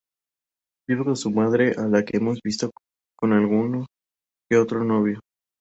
Vive con su madre, a la que hemos visto con algún que otro novio.